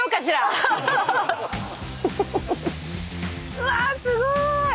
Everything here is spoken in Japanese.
うわすごーい！